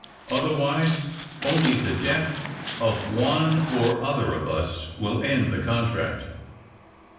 Otherwise only the death of one or other of us will end the contract.